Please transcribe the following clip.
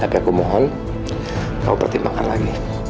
aku mohon kau pertimbangkan lagi